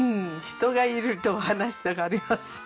人がいると話したがります。